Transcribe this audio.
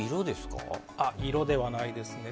色ではないですね。